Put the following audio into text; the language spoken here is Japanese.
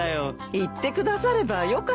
言ってくださればよかったのに。